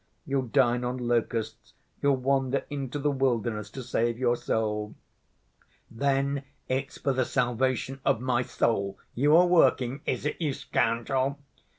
You'll dine on locusts, you'll wander into the wilderness to save your soul!" "Then it's for the salvation of my soul you are working, is it, you scoundrel?"